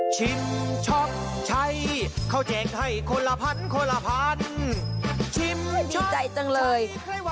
ชิมช็อปใช้เขาแจกให้คนละพันคนละพันชิมช็อปใช้ใครไว้ใจจังเลย